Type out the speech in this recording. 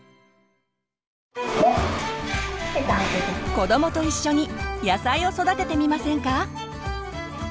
子どもと一緒に野菜を育ててみませんか？